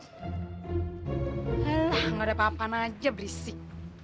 alah gak ada apa apaan aja berisik